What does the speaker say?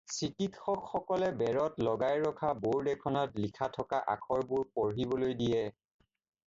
চিকিৎসকসকলে বেৰত লগাই ৰখা ব'ৰ্ড এখনত লিখা থকা আখৰবোৰ পঢ়িবলৈ দিয়ে।